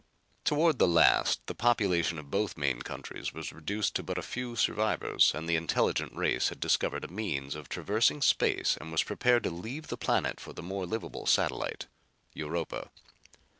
Toward the last the population of both main countries was reduced to but a few survivors, and the intelligent race had discovered a means of traversing space and was prepared to leave the planet for the more livable satellite Europa.